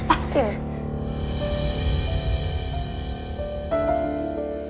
apa sih wih